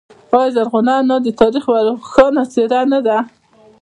آیا زرغونه انا د تاریخ یوه روښانه څیره نه ده؟